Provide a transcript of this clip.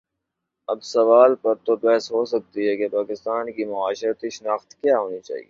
اس سوال پر تو بحث ہو سکتی ہے کہ پاکستان کی معاشرتی شناخت کیا ہو نی چاہیے۔